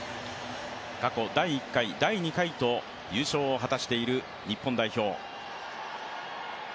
過去第１回、第２回と優勝を果たしている日本代表。